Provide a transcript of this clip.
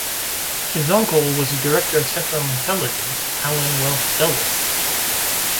His uncle was Director of Central Intelligence Allen Welsh Dulles.